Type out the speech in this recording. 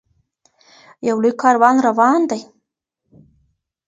یو لوی کاروان روان دی.